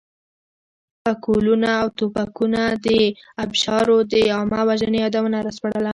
پکولونه او توپکونو د ابشارو د عامه وژنې یادونه راسپړله.